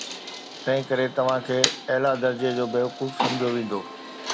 تنهنڪري توهان کي اعليٰ درجي جو بيوقوف سمجهيو ويندو.